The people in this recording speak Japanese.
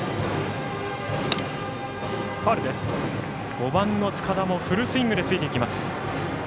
５番の塚田もフルスイングでついていきます。